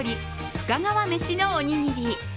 深川めしのおにぎり。